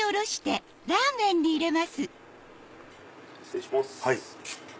失礼します。